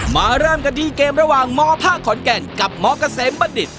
มาเริ่มกันดีเกมระหว่างมภขอนแกนกับมกะเสมบัดดิด